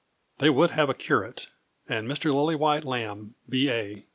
They would have a curate, and Mr. Lillywhite Lambe, B.A.